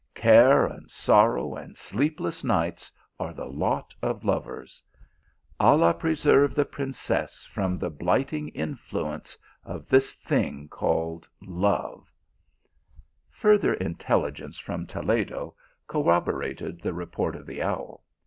" Care and sorrow, and sleepless nights are the lot of lovers. Allah preserve the princess from the blighting influence of this thing called love." THE PILGRIM OF LO VE. 217 Further intelligence from Toledo corroborated the report of the owl.